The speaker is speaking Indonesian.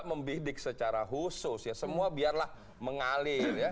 membidik secara khusus ya semua biarlah mengalir ya